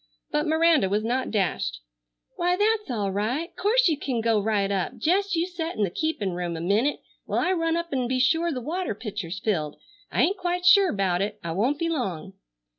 But Miranda was not dashed. "Why, that's all right. 'Course you ken go right up. Jest you set in the keepin' room a minnit while I run up'n be sure the water pitcher's filled. I ain't quite sure 'bout it. I won't be long."